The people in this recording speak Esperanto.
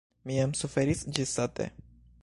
Mi jam suferis ĝissate.